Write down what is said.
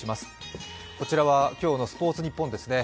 こちらは今日のスポーツニッポンですね。